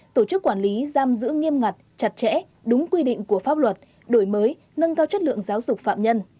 tổ chức quản lý giam giữ nghiêm ngặt chặt chẽ đúng quy định của pháp luật đổi mới nâng cao chất lượng giáo dục phạm nhân